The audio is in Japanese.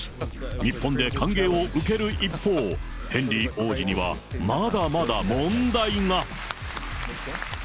日本で歓迎を受ける一方、ヘンリー王子にはまだまだ問題が。